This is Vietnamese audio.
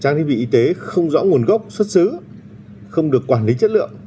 trang thiết bị y tế không rõ nguồn gốc xuất xứ không được quản lý chất lượng